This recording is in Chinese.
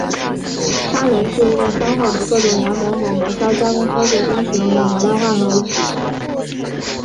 砂轮是一个消耗的各种研磨和磨削加工操作中使用的磨料化合物组成的。